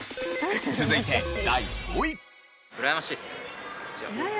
続いて第５位。